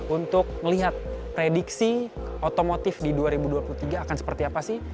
untuk melihat prediksi otomotif di dua ribu dua puluh tiga akan seperti apa sih